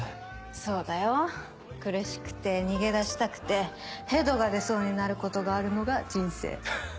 そうだよ苦しくて逃げ出したくて反吐が出そうになることがあるのが人生。